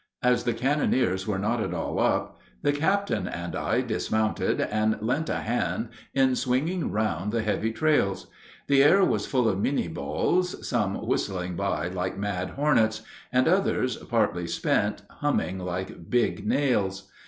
As the cannoneers were not all up, the captain and I dismounted and lent a hand in swinging round the heavy trails. The air was full of Minié balls, some whistling by like mad hornets, and others, partly spent, humming like big nails.